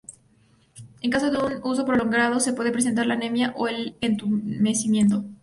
En caso de un uso prolongado se pueden presentar la anemia o el entumecimiento.